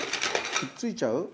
引っ付いちゃう？